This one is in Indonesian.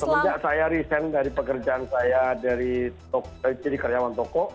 semenjak saya recent dari pekerjaan saya jadi karyawan toko